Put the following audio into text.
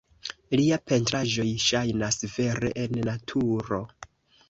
Liaj pentraĵoj ŝajnas vere en naturo.